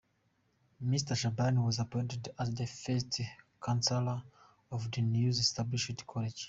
Mr. Shabani was appointed as the first consular of the newly established college.